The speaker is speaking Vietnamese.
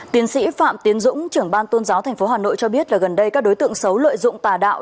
tiến sĩ phạm tiến dũng trưởng ban tôn giáo tp hà nội cho biết là gần đây các đối tượng xấu lợi dụng tà đạo